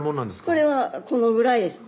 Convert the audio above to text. これはこのぐらいです